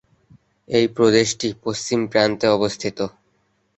এটি প্রদেশটির পশ্চিম প্রান্তে অবস্থিত।